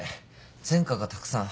前科がたくさん。